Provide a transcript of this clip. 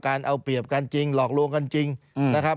เอาเปรียบกันจริงหลอกลวงกันจริงนะครับ